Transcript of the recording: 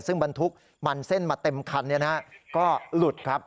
ซึ่งบรรทุกมันเส้นมาเต็มคันก็หลุดครับ